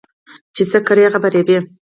چې څه کرې هغه به ريبې